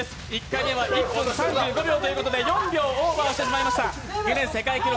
１回目は１分３５秒ということで４秒オーバーしてしまいました。